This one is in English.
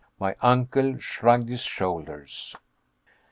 My uncle shrugged his shoulders.